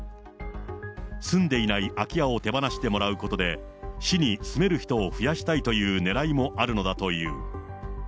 住んでいない空き家を手放してもらうことで、市に住める人を増やしたいというねらいもあるのだという。